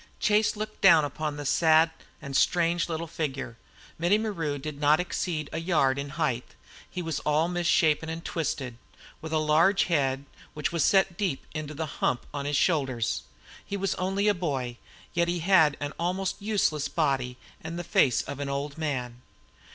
Chase looked down upon a sad and strange little figure. Mittie Maru did not much exceed a yard in height; he was all misshapen and twisted, with a large head, which was set deep into the hump on his shoulders. He was only a boy, yet he had an almost useless body aid the face of an old man.